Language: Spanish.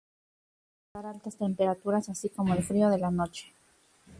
Puede soportar altas temperaturas, así como el frío de la noche.